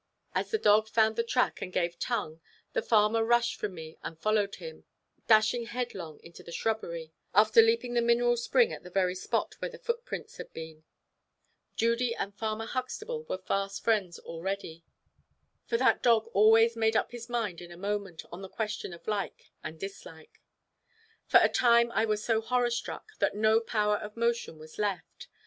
As the dog found the track and gave tongue, the farmer rushed from me and followed him, dashing headlong into the shrubbery, after leaping the mineral spring, at the very spot where the footprints had been. Judy and Farmer Huxtable were fast friends already; for that dog always made up his mind in a moment on the question of like and dislike. For a time I was so horror struck, that no power of motion was left.